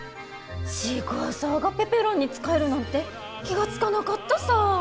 シークワーサーがペペロンに使えるなんて気が付かなかったさぁ！